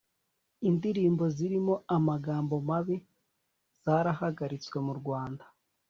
Indirimbo zirimo amagambo mabi zarahagaritswe mu urwanda